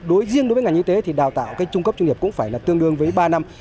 đối riêng đối với ngành y tế thì đào tạo cái trung cấp chuyên nghiệp cũng phải là tương đương với ba năm